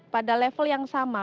pada level yang sama